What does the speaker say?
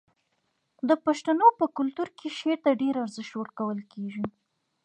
د پښتنو په کلتور کې شعر ته ډیر ارزښت ورکول کیږي.